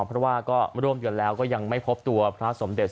เพราะว่าร่วมโดยกันแล้วไม่พบตัวพระสมเด็จ